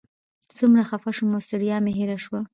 څومره خفه شوم او ستړیا مې هېره شوه.